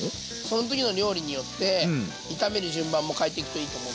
その時の料理によって炒める順番も変えてくといいと思うんだよね。